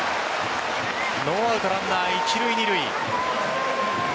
ノーアウトランナー一塁・二塁。